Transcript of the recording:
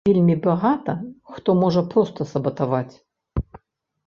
Вельмі багата хто можа проста сабатаваць.